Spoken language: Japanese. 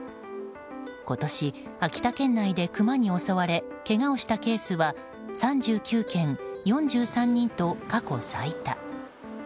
今年、秋田県内でクマに襲われけがをしたケースは３９件４３人と過去最多。